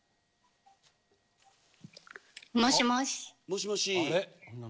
もしもし。